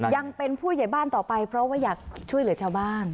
ยังเป็นผู้ใหญ่บ้านต่อไปเพราะว่าอยากช่วยเหลือชาวบ้าน